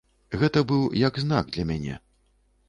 Гэта быў як знак для мяне.